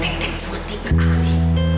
detektif surti beraksi